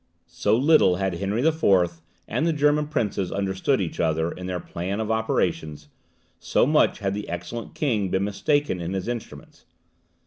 So little had Henry IV. and the German princes understood each other in their plan of operations, so much had the excellent king been mistaken in his instruments.